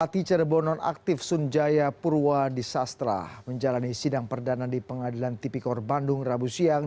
ati cerbonon aktif sunjaya purwadisastra menjalani sidang perdana di pengadilan tipikor bandung rabu siang